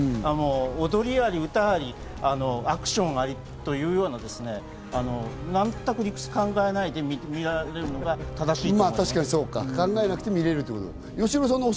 踊りあり、歌あり、アクションありというような、理屈を考えなく見られるのが正しいと。